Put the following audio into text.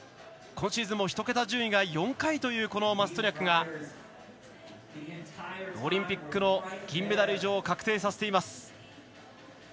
今シーズンも１桁順位が４回というマストニャクがオリンピックの銀メダル以上を確定させています。